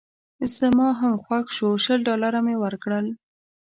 زما هم خوښ شو شل ډالره مې ورکړل.